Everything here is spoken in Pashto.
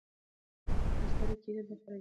کرسټالي کېدل د خرابېدو نښه نه ده.